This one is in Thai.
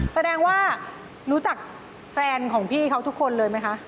แสดงว่ารู้จักแฟนของพี่เขาทุกคนเลยไหมคะ